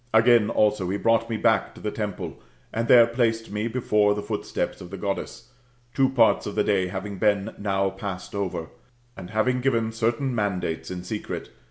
Again, also, he brought me back to the temple, and there placed me before the footsteps of the Goddess, two parts of the day having been now passed over; and having given certain mandates in secret.